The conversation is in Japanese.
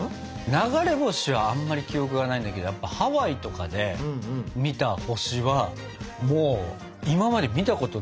流れ星はあんまり記憶がないんだけどハワイとかで見た星はもう今まで見たことない星の数だったし。